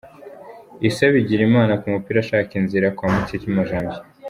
Issa Bigirimana ku mupira ashaka inzira kwa Mutijima Janvier.